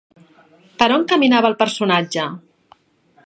Per on caminava el personatge?